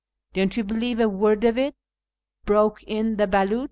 " Don't you believe a word of it," broke in the Beliich ;^ I.